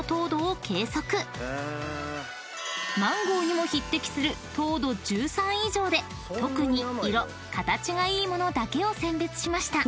［マンゴーにも匹敵する糖度１３以上で特に色・形がいい物だけを選別しました］